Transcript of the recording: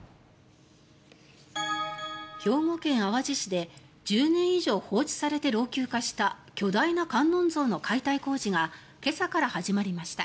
兵庫県淡路市で１０年以上放置されて老朽化した巨大な観音像の解体工事が今朝から始まりました。